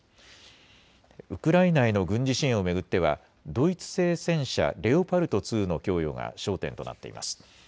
ウクライナへの軍事支援を巡ってはドイツ製戦車、レオパルト２の供与が焦点となっています。